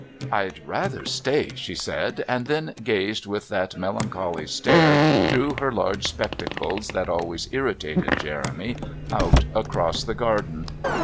"I'd rather stay," she said, and then gazed, with that melancholy stare through her large spectacles that always irritated Jeremy, out across the garden.